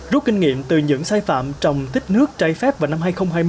rút kinh nghiệm từ những sai phạm trong tích nước trái phép vào năm hai nghìn hai mươi